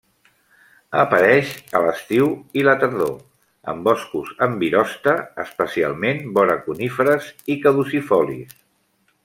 Apareix a l'estiu i la tardor en boscos amb virosta, especialment vora coníferes i caducifolis.